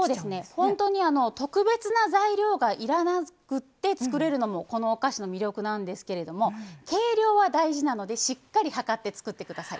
本当に特別な材料がいらなくて作れるのもこのお菓子の魅力なんですけれども計量は大事なのでしっかり計って作ってください。